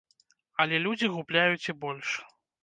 Але людзі губляюць і больш.